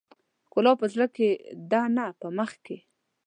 ښکلا په زړه کې ده نه په مخ کې .